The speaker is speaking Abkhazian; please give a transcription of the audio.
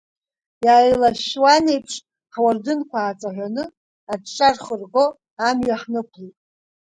Иааилашәшәуаны еиԥш, ҳуардынқәа ааҵаҳәаны, аҿҿа рхырго амҩа ҳнықәлеит.